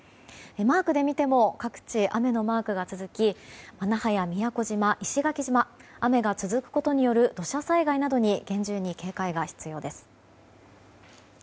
マークで見ても各地雨のマークが続き那覇や宮古島、石垣島雨が続くことによる土砂災害に厳重に警戒が必要です。